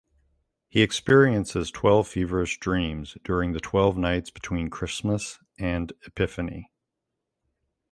He experiences twelve feverish dreams during the twelve nights between Christmas and Epiphany.